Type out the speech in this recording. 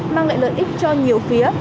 mang lại lợi ích cho nhiều phía